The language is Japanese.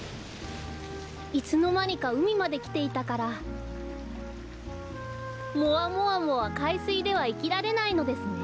いつのまにかうみまできていたからもわもわもはかいすいではいきられないのですね。